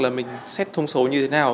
là mình xét thông số như thế nào